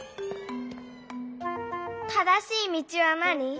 正しい道は何？